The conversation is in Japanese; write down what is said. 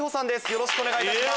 よろしくお願いします。